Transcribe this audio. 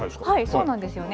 そうなんですよね。